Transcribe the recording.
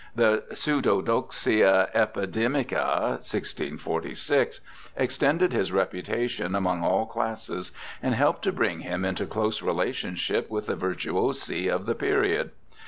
The Pseudodoxia Epi demica (1646) extended his reputation among all classes and helped to bring him into close relationship with the virtuosi of the period.